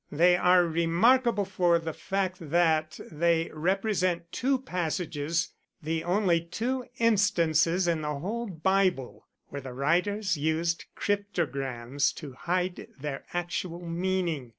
They are remarkable for the fact that they represent two passages the only two instances in the whole Bible where the writers used cryptograms to hide their actual meaning.